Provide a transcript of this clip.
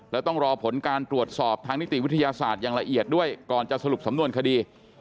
แล้วต้องรอผลการตรวจสอบทางนิติวิทยาศาสตร์อย่างละเอียดด้วยก่อนจะสรุปสำนวนคดี